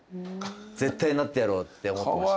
絶対なってやろうって思ってました。